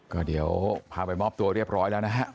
ก็เดี๋ยวพาไปมอบตัวเรียบร้อยแล้วนะฮะ